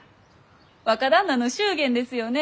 若旦那の祝言ですよね？